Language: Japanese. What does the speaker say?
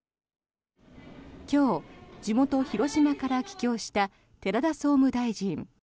今日、地元・広島から帰京した寺田総務大臣。